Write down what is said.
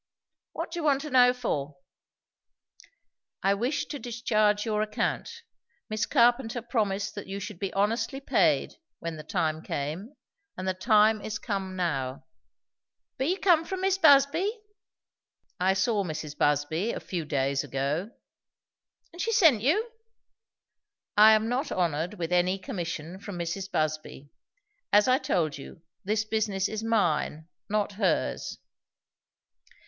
"What do you want to know for?" "I wish to discharge your account. Miss Carpenter promised that you should be honestly paid, when the time came; and the time is come now." "Be you come from Mis' Busby?" "I saw Mrs. Busby a few days ago." "And she sent you?" "I am not honoured with any commission from Mrs. Busby. As I told you, this business is mine, not hers."